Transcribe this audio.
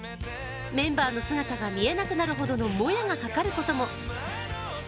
メンバーの姿が見えなくなるほどの、もやがかかることも。